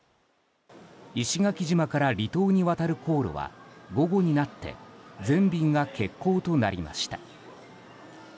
石垣島から離島に渡る航路は午後になって全便が欠航となりました。